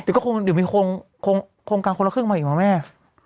เนี่ยคงจะมีโค้งการคนละครึ่งมาเมื่อไหม